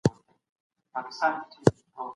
حاکمان مجبور وو چي ټولنیزې مسئلې وپېژني.